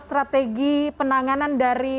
strategi penanganan dari